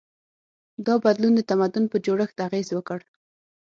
دا بدلون د تمدن په جوړښت اغېز وکړ.